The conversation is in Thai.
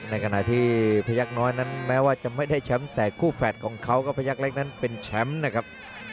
ในขณะที่พยักษ์น้อยนั้นแม้ว่าจะไม่ได้แชมป์แต่คู่แฝดของเขาก็พยักษ์เล็กนั้นเป็นแชมป์นะครับ